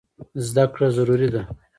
زده کړه ضروري ده.